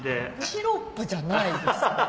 シロップじゃないですね。